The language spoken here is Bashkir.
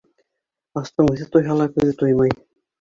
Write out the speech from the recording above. Астың үҙе туйһа ла күҙе туймай.